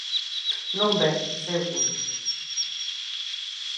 Non vén, seguro.